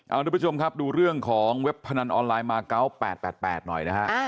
เอาทุกผู้ชมครับดูเรื่องของเว็บพนันออนไลน์มาเกาะ๘๘หน่อยนะฮะ